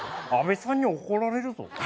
阿部さんに怒られるぞ。